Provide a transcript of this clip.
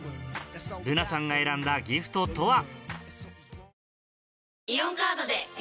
ＬＵＮＡさんが選んだギフトとは？